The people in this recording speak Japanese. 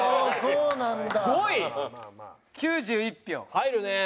入るねえ。